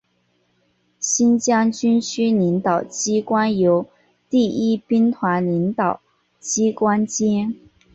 新疆军区领导机关由第一兵团领导机关兼。